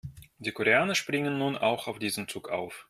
Die Koreaner springen nun auch auf diesen Zug auf.